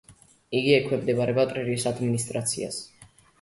იგი ექვემდებარება ტრირის ადმინისტრაციას.